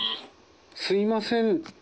すみません。